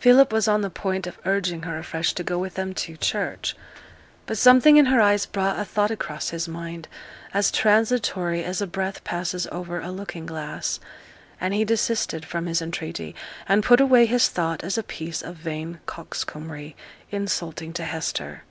Philip was on the point of urging her afresh to go with them to church; but something in her eyes brought a thought across his mind, as transitory as a breath passes over a looking glass, and he desisted from his entreaty, and put away his thought as a piece of vain coxcombry, insulting to Hester.